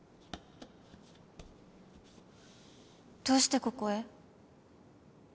どうしてここへ？